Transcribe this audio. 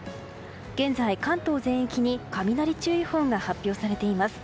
現在、関東全域に雷注意報が発表されています。